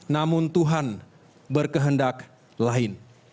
namun tuhan berkehendak lain